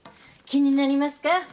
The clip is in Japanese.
気になりますか？